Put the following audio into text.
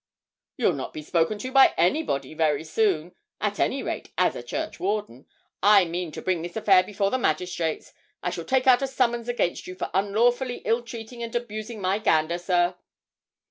'You'll not be spoken to by anybody very soon at any rate, as a churchwarden. I mean to bring this affair before the magistrates. I shall take out a summons against you for unlawfully ill treating and abusing my gander, sir!'